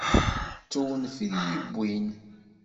D tewnef i yi-yewwin.